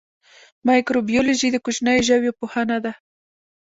مایکروبیولوژي د کوچنیو ژویو پوهنه ده